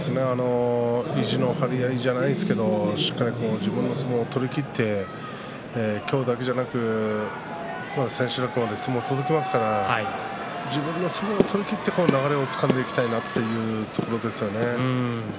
意地の張り合いではないですがしっかり自分の相撲を取りきって今日だけではなくて千秋楽まで相撲は続きますから自分の相撲を取りきって流れをつかんでいきたいなというところですよね。